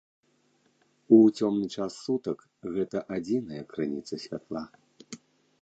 У цёмны час сутак гэта адзіная крыніца святла.